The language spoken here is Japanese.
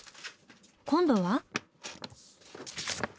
今度は？